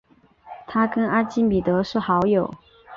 他跟阿基米德是好友。